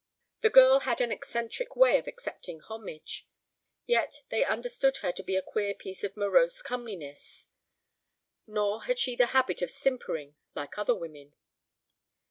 The girl had an eccentric way of accepting homage. Yet they understood her to be a queer piece of morose comeliness; nor had she the habit of simpering like other women.